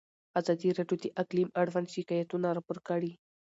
ازادي راډیو د اقلیم اړوند شکایتونه راپور کړي.